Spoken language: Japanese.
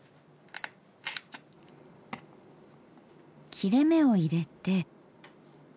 切れ目を入れて。